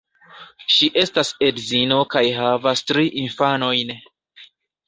Ŝi estas edzino kaj havas tri infanojn.